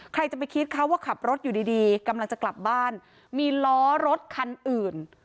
ใครจะไปคิดคะว่าขับรถอยู่ดีดีกำลังจะกลับบ้านมีล้อรถคันอื่น